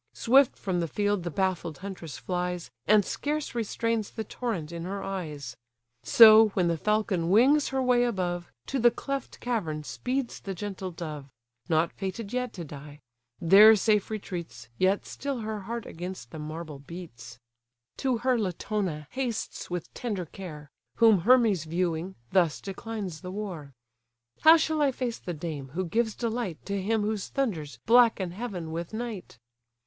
Swift from the field the baffled huntress flies, And scarce restrains the torrent in her eyes: So, when the falcon wings her way above, To the cleft cavern speeds the gentle dove; (Not fated yet to die;) there safe retreats, Yet still her heart against the marble beats. To her Latona hastes with tender care; Whom Hermes viewing, thus declines the war: "How shall I face the dame, who gives delight To him whose thunders blacken heaven with night?